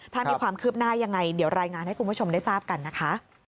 ถ้ามีความคืบหน้ายังไงเดี๋ยวรายงานให้คุณผู้ชมได้ทราบกันนะคะ